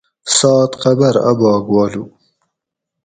سات قبر اۤ باگ والُو